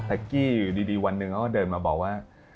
กี้อยู่ดีวันหนึ่งเขาก็เดินมาบอกว่า